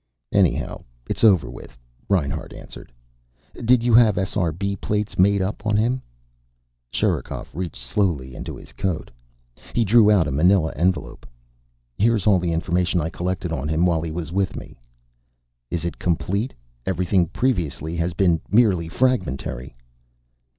"Anyhow, it's over with," Reinhart answered. "Did you have SRB plates made up on him?" Sherikov reached slowly into his coat. He drew out a manila envelope. "Here's all the information I collected about him, while he was with me." "Is it complete? Everything previous has been merely fragmentary."